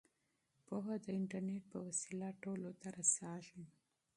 پوهه د انټرنیټ په وسیله ټولو ته رسیږي.